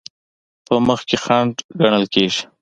په مخ کې خنډ ګڼل کیږي.